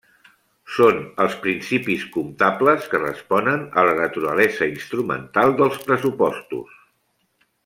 Són els principis comptables que responen a la naturalesa instrumental dels pressupostos.